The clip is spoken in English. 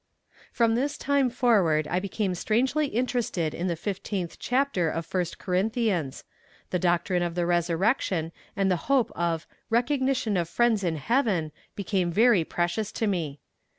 From this time forward I became strangely interested in the fifteenth chapter of first Corinthians the doctrine of the resurrection, and the hope of "recognition of friends in heaven" became very precious to me.